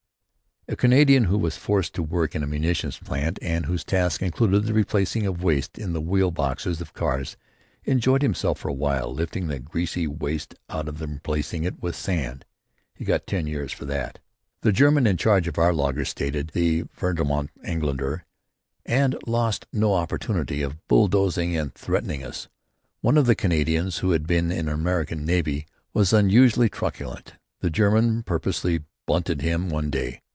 A Canadian who was forced to work in a munitions plant and whose task included the replacing of waste in the wheel boxes of cars enjoyed himself for a while, lifting the greasy waste out and replacing it with sand. He got ten years for that. The German in charge of our laager hated the verdamnt Engländer and lost no opportunity of bulldozing and threatening us. One of the Canadians who had been in the American Navy was unusually truculent. The German purposely bunted him one day.